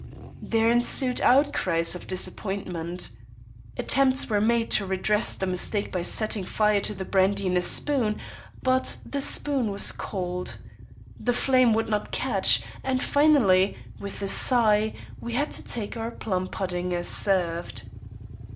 There ensued outcries of disappointment. Attempts were made to redress the mistake by setting fire to the brandy in a spoon, but the spoon was cold. The flame would not catch, and finally, with a sigh, we had to take our plum pudding as served.